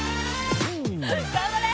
「頑張れ！」